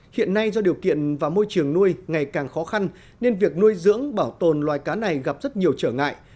hiện nay do điều kiện và môi trường nuôi ngày càng khó khăn nên việc nuôi dưỡng bảo tồn loài cá này gặp rất nhiều trở ngại